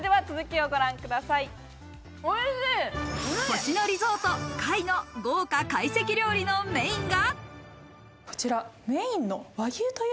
「星野リゾート界」の豪華会席料理のメインは。